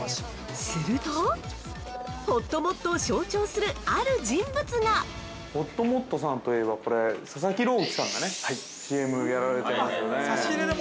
するとほっともっとを象徴するある人物が！◆ほっともっとさんといえば、これ佐々木朗希さんがねＣＭやられていますよね。